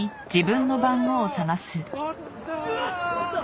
あった！